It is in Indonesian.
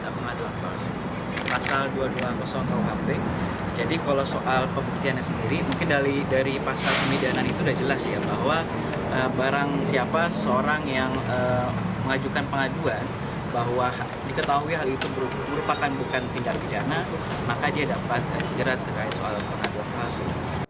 soal pembuktiannya sendiri mungkin dari pasal pembidanan itu sudah jelas ya bahwa barang siapa seorang yang mengajukan pengaduan bahwa diketahui hal itu merupakan bukan tindak bidana maka dia dapat dan sejarah terkait soal pengaduan palsu